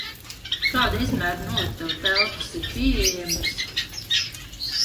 Kāda izmēra noliktavu telpas ir pieejamas?